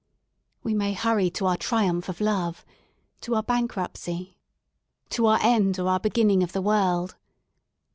We may hurry to our triumph of love, to our bankruptcy, to our end or our beginning of the world.